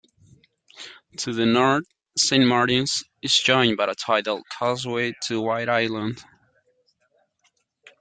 To the north, Saint Martin's is joined by a tidal causeway to White Island.